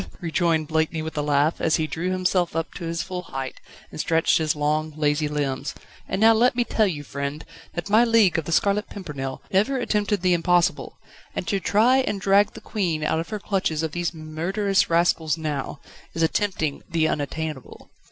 rejoined Blakeney with a laugh, as he drew himself up to his full height, and stretched his long, lazy limbs. "And now let me tell you, friend, that my League of The Scarlet Pimpernel never attempted the impossible, and to try and drag the Queen out of the clutches of these murderous rascals now, is attempting the unattainable."